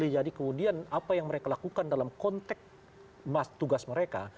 jadi kemudian apa yang mereka lakukan dalam konteks tugas mereka